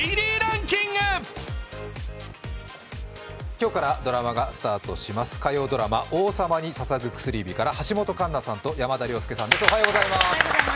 今日からドラマがスタートします、火曜ドラマ「王様に捧ぐ薬指」から橋本環奈さんと山田涼介さんですおはようございます。